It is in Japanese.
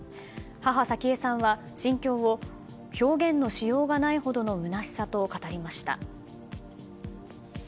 母・早紀江さんは心境を表現のしようがないほどのむなしさと語りました。